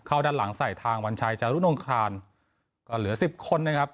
ด้านหลังใส่ทางวัญชัยจารุนงคลานก็เหลือสิบคนนะครับ